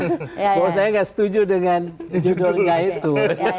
kalau saya nggak setuju dengan judulnya itu